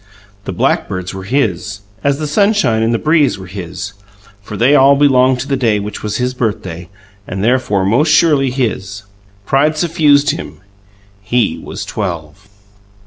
The blackbirds were his, as the sunshine and the breeze were his, for they all belonged to the day which was his birthday and therefore most surely his. Pride suffused him: he was twelve!